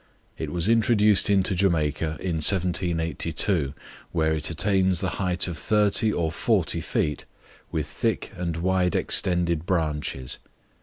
It was introduced into Jamaica in 1782; where it attains the height of thirty or forty feet, with thick and wide extended branches.